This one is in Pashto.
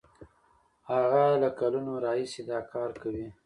هغه له کلونو راهیسې دا کار کوي.